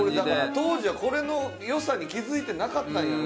当時はこれの良さに気付いてなかったんやろ多分。